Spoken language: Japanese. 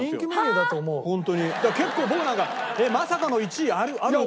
だから結構僕なんかまさかの１位あると。